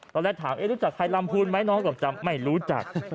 ตอนแรกถามรู้จักใครลำพูนไหมน้องเกือบจะไม่รู้จัก